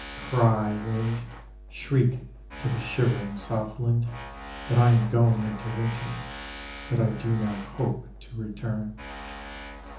Cry, wind, Shriek to the shivering southland, That I am going into winter, That I do not hope to return.